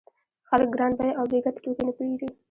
خلک ګران بیه او بې ګټې توکي نه پېري